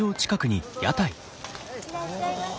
いらっしゃいませ。